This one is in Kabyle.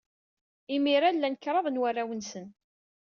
Imir-a, lan kraḍ n warraw-nsen.